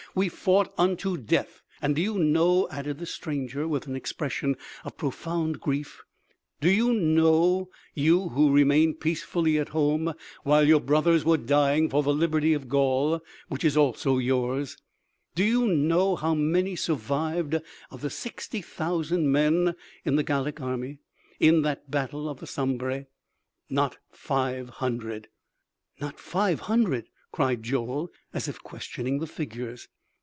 we fought unto death.... And do you know," added the stranger with an expression of profound grief, "do you know, you who remained peacefully at home, while your brothers were dying for the liberty of Gaul, which is also yours, do you know how many survived of the sixty thousand men in the Gallic army in that battle of the Sambre?... Not five hundred!" "Not five hundred!" cried Joel as if questioning the figures.